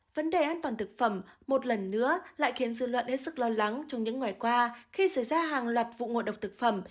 vấn đề an toàn thực phẩm một lần nữa lại khiến dư luận hết sức lo lắng trong những ngày qua khi xảy ra hàng loạt vụ ngộ độc thực phẩm